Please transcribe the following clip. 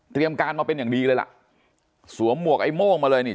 การมาเป็นอย่างดีเลยล่ะสวมหมวกไอ้โม่งมาเลยนี่